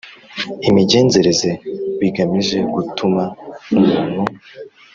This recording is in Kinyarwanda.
Imigenzereze bigamije gutuma umuntu